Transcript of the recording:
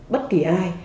bất kỳ ai